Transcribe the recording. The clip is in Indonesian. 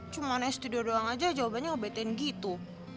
cuman studio doang aja jawabannya ngobetin gitu